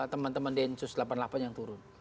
teman teman di insus delapan puluh delapan yang turun